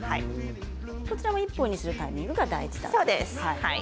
こちらも１本にするタイミングが大事です。